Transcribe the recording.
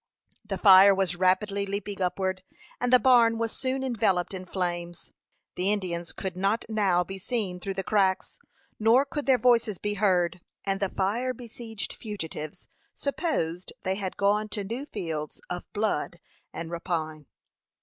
The fire was rapidly leaping upward, and the barn was soon enveloped in flames. The Indians could not now be seen through the cracks, nor could their voices be heard, and the fire besieged fugitives supposed they had gone to new fields of blood and rapine.